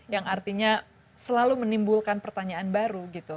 yang artinya selalu menimbulkan pertanyaan baru gitu